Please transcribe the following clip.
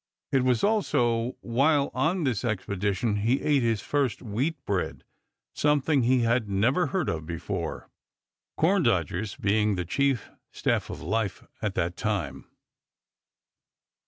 It was also while on this expedition he ate his first wheat bread, something he had never heard of before, corn dodgers being the chief staff of life at that time.